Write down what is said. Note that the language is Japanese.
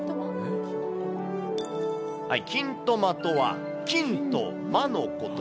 きんとまとは、金とまのこと。